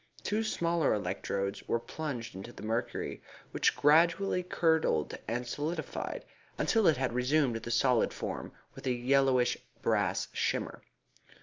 Two smaller electrodes were plunged into the mercury, which gradually curdled and solidified, until it had resumed the solid form, with a yellowish brassy shimmer.